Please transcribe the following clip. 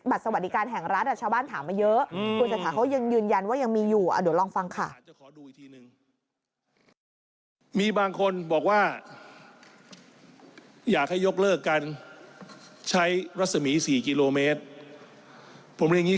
บัตรสวัสดิการแห่งรัฐชาวบ้านถามมาเยอะ